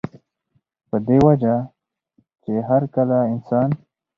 پۀ دې وجه چې هر کله انسان